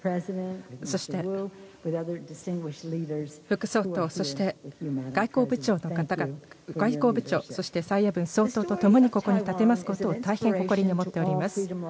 そして、副総統そして外交部長そして蔡英文総統とともにここに立てますことを大変誇りに思っております。